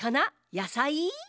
やさい？